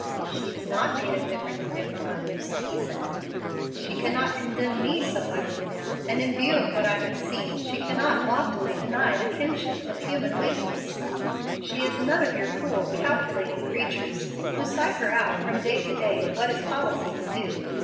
"She is not made of different clay from others," he said. "She cannot condemn me so utterly now; and, in view of what I have seen, she cannot loftily deny the kinship of human weakness. "What a nature she has, with its subterranean fires! She is none of your cool, calculating creatures, who cipher out from day to day what is policy to do.